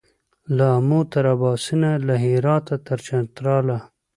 له آمو تر اباسینه له هراته تر چتراله